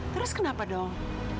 terus kenapa dong